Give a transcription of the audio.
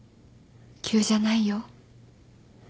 急じゃないよ。